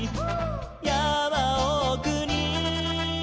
「やまおくに」